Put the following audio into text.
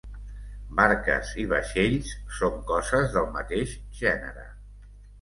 Barques i vaixells són coses del mateix gènere.